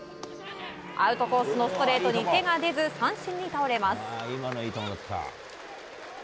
アウトコースのストレートに手が出ず、三振に倒れます。